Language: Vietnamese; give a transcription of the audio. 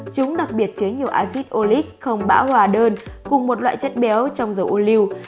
chúng đặc biệt chứa nhiều axit oleic không bão hòa đơn cùng một loại chất béo trong dầu ô liu